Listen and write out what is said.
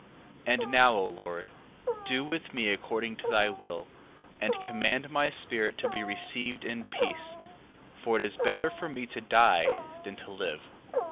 3:6. And now, O Lord, do with me according to thy will, and command my spirit to be received in peace: for it is better for me to die, than to live.